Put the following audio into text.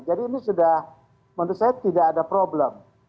jadi ini sudah menurut saya tidak ada problem